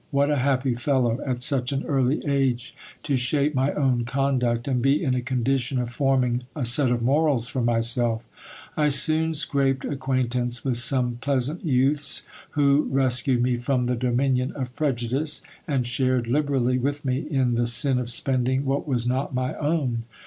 What a happy fellow, at such an early age, to shape my own conduct and be in a condition of forming a set of morals for myself ! I soon scraped acquaintance with some pleasant youths, who rescued me from the dominion of prejudice, and shared liberally with me in the sin of spending what was not my own.